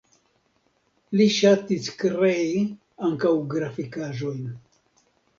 Li ŝatis krei ankaŭ grafikaĵojn.